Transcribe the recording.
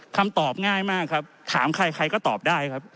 คำตอบง่ายมากครับถามใครใครก็ตอบได้ครับ